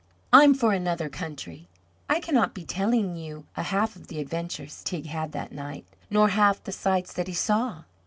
"I'm for another country." I cannot be telling you a half of the adventures Teig had that night, nor half the sights that he saw.